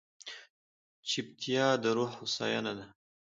چپتیا، د روح هوساینه ده.